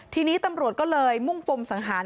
ทีนี้ตำรวจก็เลยมุ่งปมสังหาร